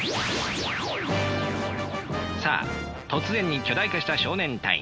さあ突然に巨大化した少年隊員。